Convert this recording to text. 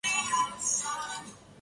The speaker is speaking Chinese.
有人在抢卫生纸抢到打架